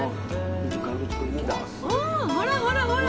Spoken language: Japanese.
おほらほらほら。